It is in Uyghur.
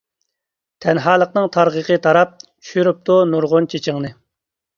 تەنھالىقنىڭ تارغىقى تاراپ، چۈشۈرۈپتۇ نۇرغۇن چېچىڭنى.